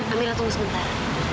amira tunggu sebentar